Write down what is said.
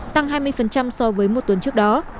tăng hai mươi so với một tuần trước đó